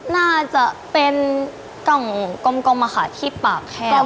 น่าจะเป็นกล่องกลมค่ะที่ปากแห้ง